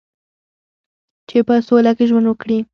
چې په سوله کې ژوند وکړي.